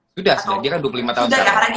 sudah sudah dia kan dua puluh lima tahun sekarang